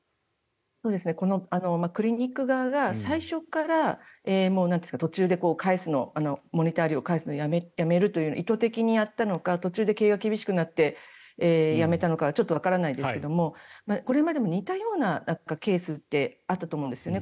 このクリニック側が最初から途中でモニター料を返すのをやめるという意図的にやったのか途中で契約が厳しくなってやめたのかちょっとわからないですがこれまでも似たようなケースってあったと思うんですね。